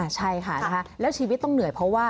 ใช่ค่ะแล้วชีวิตต้องเหนื่อยเพราะว่า